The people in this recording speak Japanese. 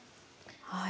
はい。